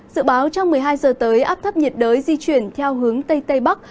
dự báo trong một mươi hai giờ tới áp thấp nhiệt đới di chuyển theo hướng tây tây bắc